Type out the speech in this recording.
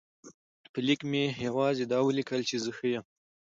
په لیک کې مې یوازې دا ولیکل چې زه ښه یم.